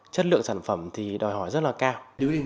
chất lượng sản phẩm thì đòi hỏi rất là cao